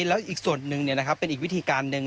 แล้วอีกส่วนหนึ่งเป็นอีกวิธีการหนึ่ง